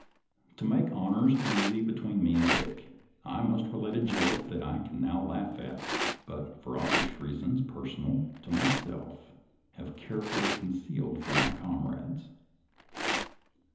To make honors easy between me and Dick, I must relate a joke that I can now laugh at, but for obvious reasons, personal to myself, have carefully concealed from my comrades.